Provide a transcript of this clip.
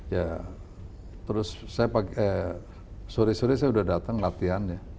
ya terus sore sore saya udah datang latihan ya